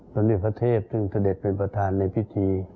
สมมติพระเทพฯซึ่งเศรษฐ์เป็นประธานในพิธี